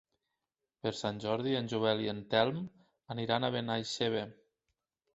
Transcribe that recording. Per Sant Jordi en Joel i en Telm aniran a Benaixeve.